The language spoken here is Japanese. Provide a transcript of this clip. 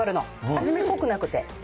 初め濃くなくて。